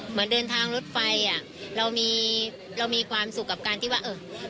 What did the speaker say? เหมือนเดินทางรถไฟเรามีความสุขกับการที่ว่า